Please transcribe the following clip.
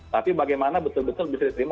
tapi bagaimana betul betul bisa diterima